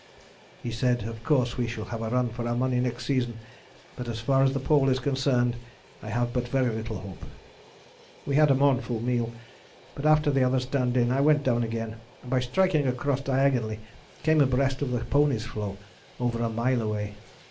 He said: 'Of course we shall have a run for our money next season, but as far as the Pole is concerned I have but very little hope.' We had a mournful meal, but after the others turned in I went down again, and by striking across diagonally came abreast of the ponies' floe, over a mile away.